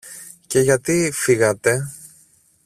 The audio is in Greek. Και γιατί φύγατε;